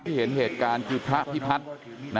เห็นเหตุการณ์คือพระพิพัฒน์